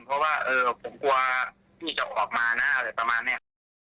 เพราะว่าแค่พูดปิ๊บให้รู้ว่าเออเราอยู่ตรงนี้นะ